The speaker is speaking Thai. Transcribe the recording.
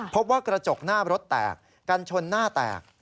พบว่ากระจกหน้ารถแตกกันชนหน้าแตก